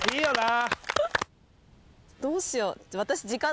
どうしよう？